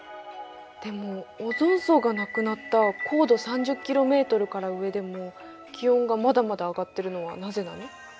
でもオゾン層がなくなった高度３０ｋｍから上でも気温がまだまだ上がってるのはなぜなの？